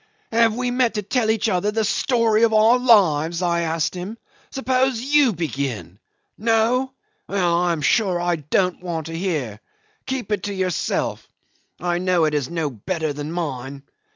'Have we met to tell each other the story of our lives?' I asked him. 'Suppose you begin. No? Well, I am sure I don't want to hear. Keep it to yourself. I know it is no better than mine.